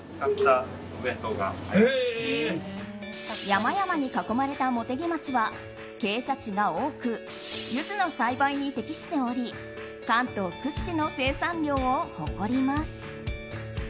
山々に囲まれた茂木町は傾斜地が多くユズの栽培に適しており関東屈指の生産量を誇ります。